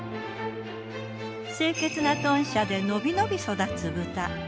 清潔な豚舎でのびのび育つ豚。